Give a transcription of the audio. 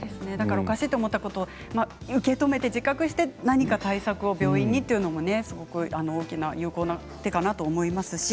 おかしいと思ったことを受け止めて、自覚して対策は病院にというのも有効な手だと思います。